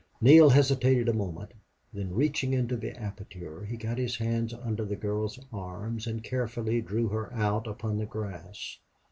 Neale hesitated a moment, then reaching into the aperture, he got his hands under the girl's arms and carefully drew her out upon the grass.